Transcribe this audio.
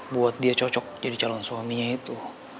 buat dia cocok jadi calon suaminya itu